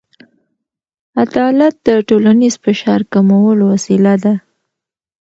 عدالت د ټولنیز فشار کمولو وسیله ده.